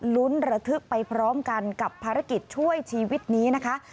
ลุ้นระทึกไปพร้อมกันกับภารกิจช่วยชีวิตนี้นะคะ